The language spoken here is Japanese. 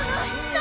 何！？